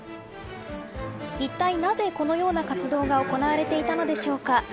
いったい、なぜこのような活動が行われていたのでしょうか。